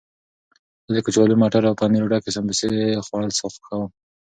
زه د کچالو، مټرو او پنیر ډکې سموسې خوړل خوښوم.